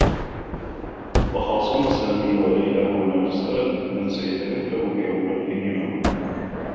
تخاصما سامي و ليلى حول مسألة من سيتكفّل بأولادهما.